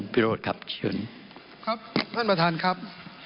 ครับท่านประธานครับ